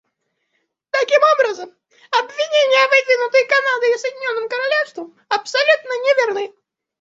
Таким образом, обвинения, выдвинутые Канадой и Соединенным Королевством, абсолютно неверны.